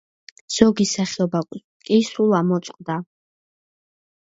ზოგი სახეობა კი სულ ამოწყდა.